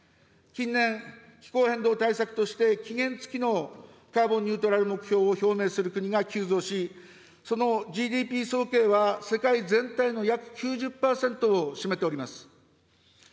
近年、気候変動対策として期限付きのカーボンニュートラル目標を表明する国が急増し、そのＧＤＰ総計は世界全体の約９０％を占めております。